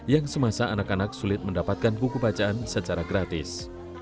yang semasa anak anak sulit mendapatkan buku bacaan secara gratis